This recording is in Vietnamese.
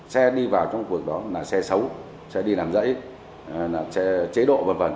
xe đi vào trong cuộc đó là xe xấu xe đi làm dãy xe chế độ v v